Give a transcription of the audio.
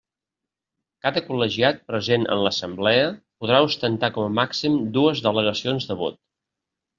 Cada col·legiat present en l'Assemblea podrà ostentar com a màxim dues delegacions de vot.